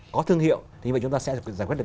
có thương hiệu thì chúng ta sẽ giải quyết được